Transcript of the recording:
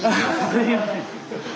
すいません。